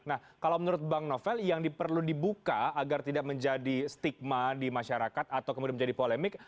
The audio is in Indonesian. nah kalau menurut bang novel yang perlu dibuka agar tidak menjadi stigma di masyarakat atau kemudian menjadi polemik